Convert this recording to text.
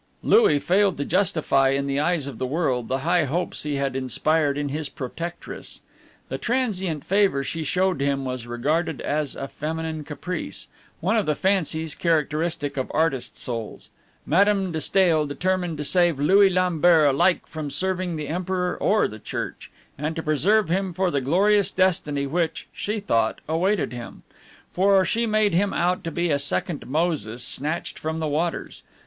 Louis failed to justify in the eyes of the world the high hopes he had inspired in his protectress. The transient favor she showed him was regarded as a feminine caprice, one of the fancies characteristic of artist souls. Madame de Stael determined to save Louis Lambert alike from serving the Emperor or the Church, and to preserve him for the glorious destiny which, she thought, awaited him; for she made him out to be a second Moses snatched from the waters.